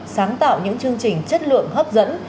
sáng tạo những chương trình chất lượng hấp dẫn